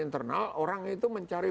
internal orang itu mencari